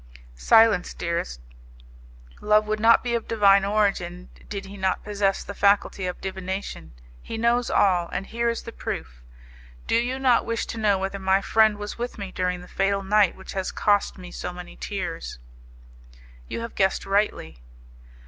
"Silence, dearest! Love would not be of divine origin did he not possess the faculty of divination. He knows all, and here is the proof. Do you not wish to know whether my friend was with me during the fatal night which has cost me so many tears?" "You have guessed rightly."